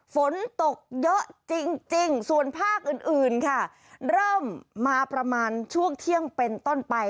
ฝนตกเยอะจริงส่วนภาคอื่นค่ะเริ่มมาประมาณช่วงเที่ยงเป็นต้นไป